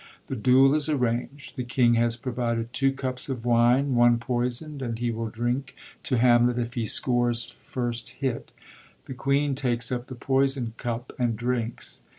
The duel is arranged. The king has provided two cups of wine, one poisond, and he will drink to Hamlet if he scores first hit. The queen takes up the poisond cup and drinks.